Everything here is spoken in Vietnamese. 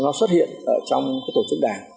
nó xuất hiện ở trong tổ chức đảng